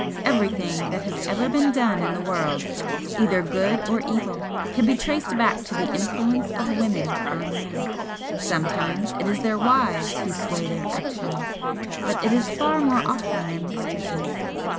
Everything that has ever been done in the world, either good or evil, can be traced back to the influence of women on men sometimes it is their wives who sway their actions, but it is far more often their mistresses.